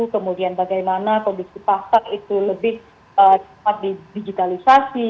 kemudian bagaimana kondisi pasar itu lebih cepat didigitalisasi